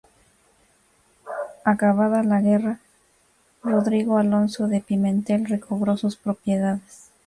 Acabada la guerra, Rodrigo Alonso de Pimentel recobró sus propiedades.